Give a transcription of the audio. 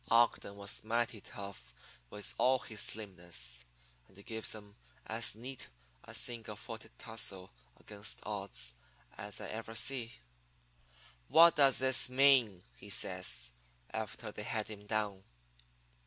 Ogden was mighty tough with all his slimness, and he gives 'em as neat a single footed tussle against odds as I ever see. "'What does this mean?' he says, after they had him down.